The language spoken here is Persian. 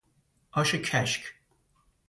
آش کشک